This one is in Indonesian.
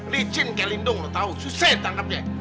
licin kayak lindung lo tahu susah ditangkapnya